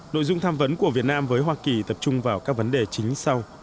nội dung tham vấn của việt nam với hoa kỳ tập trung vào các vấn đề chính sau